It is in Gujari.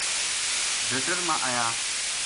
ڈڈر ما آیا